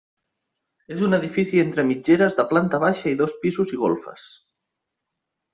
És un edifici entre mitgeres de planta baixa i dos pisos i golfes.